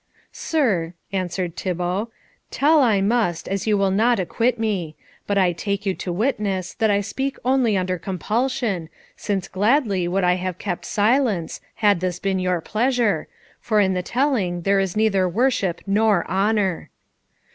"Sir," answered Thibault, "tell I must, as you will not acquit me; but I take you to witness that I speak only under compulsion, since gladly I would have kept silence, had this been your pleasure, for in the telling there is neither worship nor honour."